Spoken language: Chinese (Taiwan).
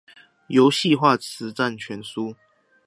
遊戲化實戰全書